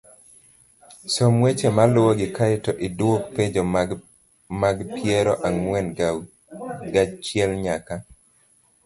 Som weche maluwogi kae to idwok penjo mag piero ang'wen gachiel nyaka